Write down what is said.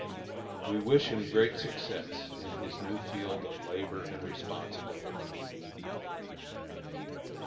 We wish him great success in his new field of labor and responsibility.